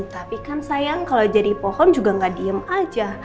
tapi kan sayang kalau jadi pohon juga nggak diem aja